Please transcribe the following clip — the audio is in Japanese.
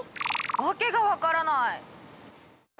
訳が分からない！